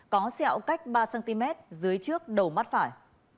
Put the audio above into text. có sẹo cách ba cm dưới trước đầu mắt phải